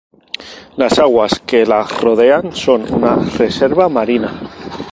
Las aguas que la rodean son una reserva marina.